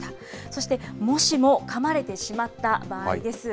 そしてもしもかまれてしまった場合です。